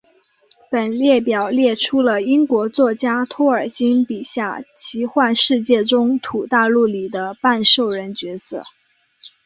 本列表列出了英国作家托尔金笔下奇幻世界中土大陆里的半兽人角色。